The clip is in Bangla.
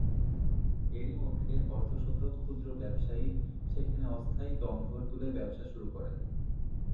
এরই মধ্যে অর্ধশত ক্ষুদ্র ব্যবসায়ী সেখানে অস্থায়ী টংঘর তুলে ব্যবসা শুরু করেন।